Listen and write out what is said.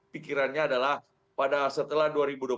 pikirannya adalah pada setelah